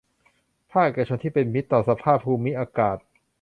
ภาคเอกชนที่เป็นมิตรต่อสภาพภูมิอากาศ